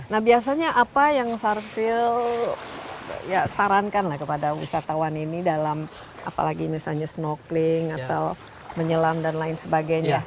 nah biasanya apa yang sarfil ya sarankan lah kepada wisatawan ini dalam apalagi misalnya snorkeling atau menyelam dan lain sebagainya